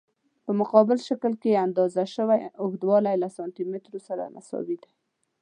په مقابل شکل کې اندازه شوی اوږدوالی له سانتي مترو سره مساوي دی.